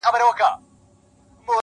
زما په لاس كي هتكړۍ داخو دلې ويـنـمـه،